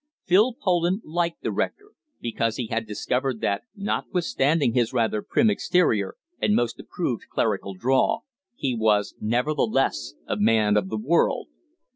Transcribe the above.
Phil Poland liked the rector, because he had discovered that, notwithstanding his rather prim exterior and most approved clerical drawl, he was nevertheless a man of the world.